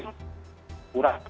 itu sebenarnya kasus itu